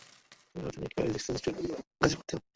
তিনি ভারতে nuclear physics institute তৈরীর কাজে ব্রতী হন।